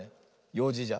ようじじゃ。